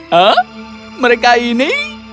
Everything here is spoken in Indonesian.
hah mereka ini